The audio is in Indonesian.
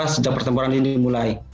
sejak pertempuran ini mulai